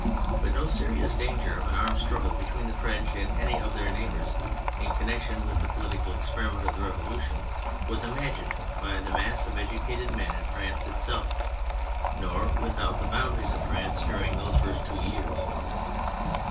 But no serious danger of an armed struggle between the French and any of their neighbours in connection with the political experiment of the Revolution was imagined by the mass of educated men in France itself nor without the boundaries of France during those first two years.